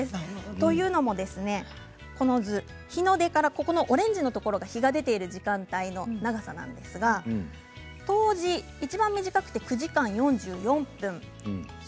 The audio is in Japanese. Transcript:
というのも日の出からオレンジのところの日が出ている時間帯の長さなんですけれど冬至がいちばん短くて９時間４４分です。